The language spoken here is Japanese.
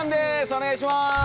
お願いします！